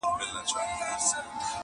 ځانته پخپله اوس زنځیر او زولنې لټوم.